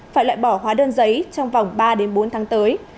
phải loại bỏ hóa đơn giấy trong vòng ba bốn tháng tới